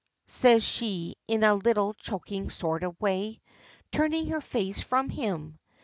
says she in a little choking sort of way, turning her face from him.